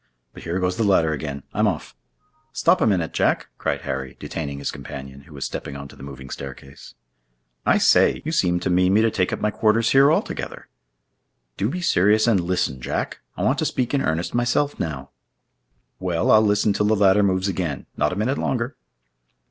But here goes the ladder again—I'm off!" "Stop a minute, Jack!" cried Harry, detaining his companion, who was stepping onto the moving staircase. "I say! you seem to mean me to take up my quarters here altogether!" "Do be serious and listen, Jack! I want to speak in earnest myself now." "Well, I'll listen till the ladder moves again, not a minute longer."